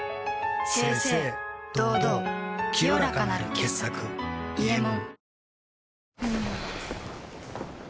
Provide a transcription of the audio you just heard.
清々堂々清らかなる傑作「伊右衛門」ん。